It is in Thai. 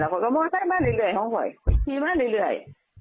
ก็มอเตอร์ไซค์มาเรื่อยคุยพี่มาเรื่อย